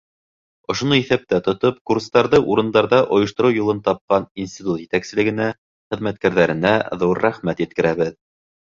Ошоно иҫәптә тотоп, курстарҙы урындарҙа ойоштороу юлын тапҡан институт етәкселегенә, хеҙмәткәрҙәренә ҙур рәхмәт еткерәбеҙ.